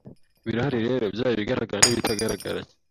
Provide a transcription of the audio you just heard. birahari rero byaba ibigaragara n’ibitagaragara